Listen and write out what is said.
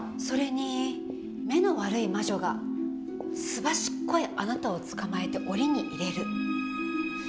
それに目の悪い魔女がすばしっこいあなたを捕まえて檻に入れる。